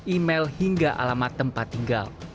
email hingga alamat tempat tinggal